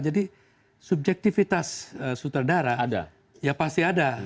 jadi subjektivitas sutradara ya pasti ada